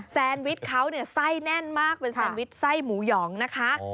แซนวิชเขาเนี่ยไส้แน่นมากเป็นแซนวิชไส้หมูหยองนะคะ